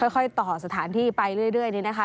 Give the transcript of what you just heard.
ค่อยต่อสถานที่ไปเรื่อยนะคะ